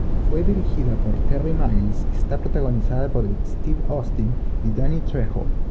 Fue dirigida por Terry Miles y está protagonizada por Steve Austin y Danny Trejo.